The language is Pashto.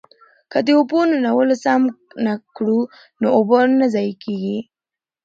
که د اوبو نلونه سم کړو نو اوبه نه ضایع کیږي.